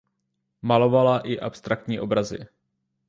Malovala i abstraktní obrazy.